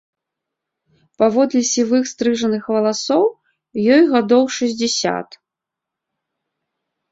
Паводле сівых стрыжаных валасоў ёй гадоў шэсцьдзесят.